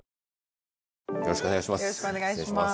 ＪＴよろしくお願いします。